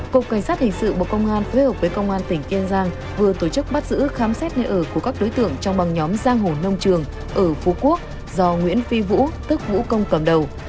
cục cảnh sát hình sự bộ công an phối hợp với công an tỉnh kiên giang vừa tổ chức bắt giữ khám xét nơi ở của các đối tượng trong băng nhóm giang hồ nông trường ở phú quốc do nguyễn phi vũ tức vũ công cầm đầu